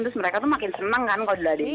terus mereka tuh makin seneng kan kalo diladenin